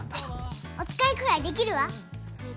おつかいくらいできるわ。